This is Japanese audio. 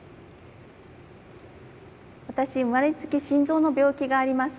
私生まれつき心臓の病気があります。